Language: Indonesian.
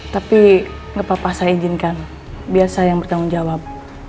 tapi enggak papa saya izinkan biasa yang bertanggung jawab